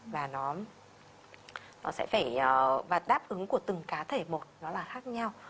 và nó sẽ phải đáp ứng của từng cá thể một nó là khác nhau